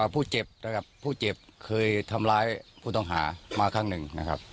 ผู้เจ็บนะครับผู้เจ็บเคยทำร้ายผู้ต้องหามาครั้งหนึ่งนะครับ